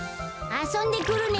あそんでくるね。